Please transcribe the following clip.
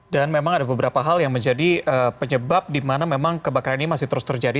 dan memang ada beberapa hal yang menjadi penyebab di mana memang kebakaran ini masih terus terjadi